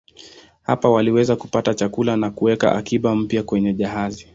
Hapa waliweza kupata chakula na kuweka akiba mpya kwenye jahazi.